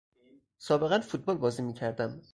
سابقا فوتبال بازی میکردم.